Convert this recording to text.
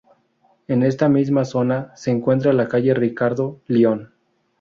En esta misma zona se encuentra la calle Ricardo Lyon.